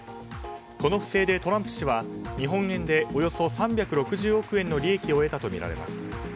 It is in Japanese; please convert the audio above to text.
この不正でトランプ氏は日本円でおよそ３６０億円の利益を得たとみられます。